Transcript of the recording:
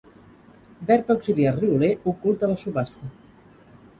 Verb auxiliar rioler ocult a la subhasta.